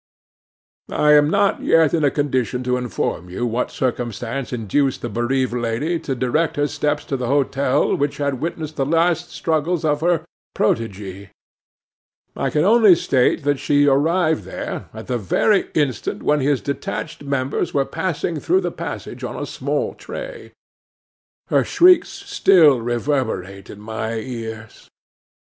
I am not yet in a condition to inform you what circumstance induced the bereaved lady to direct her steps to the hotel which had witnessed the last struggles of her protégé. I can only state that she arrived there, at the very instant when his detached members were passing through the passage on a small tray. Her shrieks still reverberate in my ears!